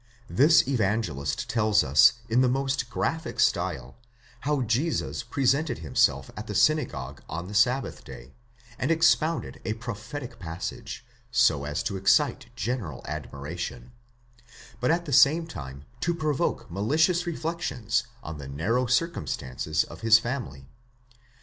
This Evangelist tells us in the most graphic style how Jesus presented himself at the synagogue on the sabbath day, and expounded a prophetic passage, so as to excite general admiration, but at the same time to provoke malicious reflections on the narrow circumstances of his family.